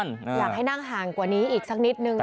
อยากให้นั่งห่างกว่านี้อีกสักนิดนึง